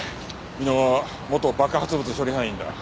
箕輪は元爆発物処理班員だ。